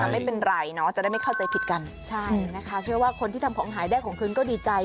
ไม่เป็นไรเนาะจะได้ไม่เข้าใจผิดกันใช่นะคะเชื่อว่าคนที่ทำของหายได้ของคืนก็ดีใจ